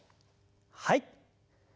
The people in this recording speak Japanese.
はい。